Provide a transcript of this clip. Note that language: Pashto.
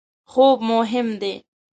خوب مهم دی